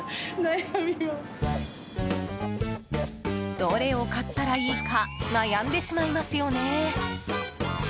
どれを買ったらいいか悩んでしまいますよね？